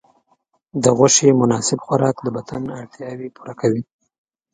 د غوښې مناسب خوراک د بدن اړتیاوې پوره کوي.